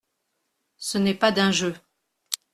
Ce n’est pas d’un jeu.